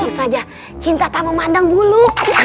ustadz cinta tak memandang bulu